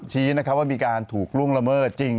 ชี้ว่ามีการถูกร่วงละเมิดจริง